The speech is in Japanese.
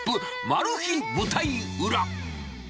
マル秘舞台裏。